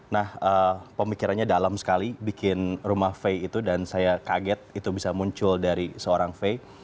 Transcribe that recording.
nah pemikirannya dalam sekali bikin rumah fay itu dan saya kaget itu bisa muncul dari seorang fay